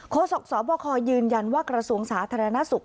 โฆษกษบคอยืนยันว่ากระทรวงศาสตร์ธรรณสุข